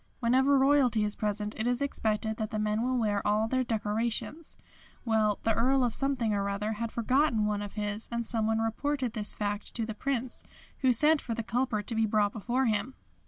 Whenever Royalty is present it is expected that the men will wear all their decorations. Well, the Earl of Something or other had forgotten one of his, and someone reported this fact to the Prince who sent for the culprit to be brought before him.